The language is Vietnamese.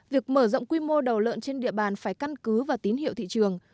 việc mở rộng quy mô đầu lợn trên địa bàn phải căn cứ vào tín hiệu thị trường